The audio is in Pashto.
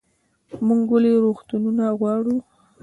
موږ ولې روغتونونه غواړو؟